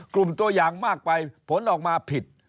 กลุ่มตัวอย่างมากไปผลออกมาผิด